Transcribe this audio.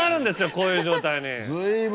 こういう状態に。